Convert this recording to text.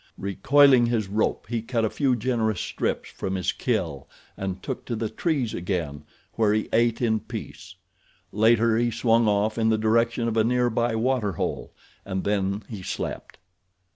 Recoiling his rope, he cut a few generous strips from his kill and took to the trees again, where he ate in peace. Later he swung off in the direction of a nearby water hole, and then he slept.